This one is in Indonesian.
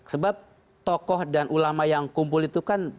sebab tokoh dan ulama yang kumpul itu kan